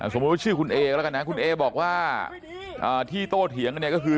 สมมติว่าชื่อคุณเอคละกันนะคุณเอบอกว่าที่โตเถียงนี้ก็คือ